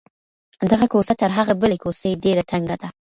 دغه کوڅه تر هغې بلې کوڅې ډېره تنګه ده.